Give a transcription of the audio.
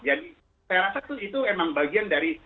jadi saya rasa itu emang bagian dari